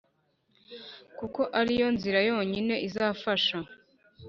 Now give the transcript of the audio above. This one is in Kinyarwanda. kuko ari yo nzira yonyine izafasha